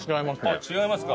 あっ違いますか？